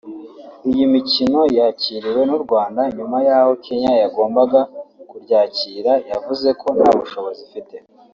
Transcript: Iyi mikino yakiriwe n’u Rwanda nyuma y’aho Kenya yagombaga kuryakira yavuze ko nta bushobozi ifite